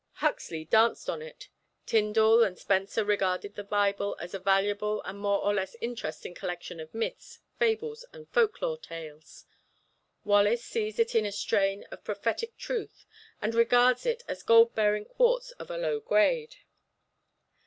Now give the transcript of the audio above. Huxley danced on it. Tyndall and Spencer regarded the Bible as a valuable and more or less interesting collection of myths, fables and folklore tales. Wallace sees in it a strain of prophetic truth and regards it as gold bearing quartz of a low grade.